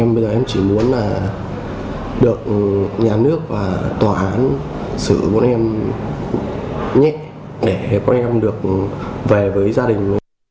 bây giờ em chỉ muốn là được nhà nước và tòa án xử bọn em nhẹ để bọn em được về với gia đình